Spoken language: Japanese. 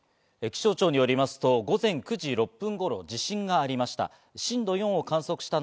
気象庁によりますと、午前９時６分頃、地震がありました。